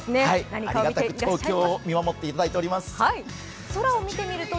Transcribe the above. ありがたく東京を見守っていただいております。